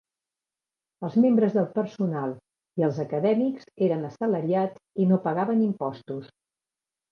Els membres del personal i els acadèmics eren assalariats i no pagaven impostos.